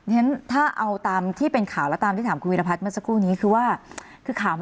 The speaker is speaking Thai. ฉะนั้นถ้าเอาตามที่เป็นข่าวแล้วตามที่ถามคุณวิรพัฒน์เมื่อสักครู่นี้คือว่า